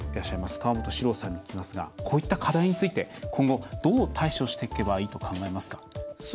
河本志朗さんに聞きますがこういった課題について今後、どう対処していけばいいと考えますか？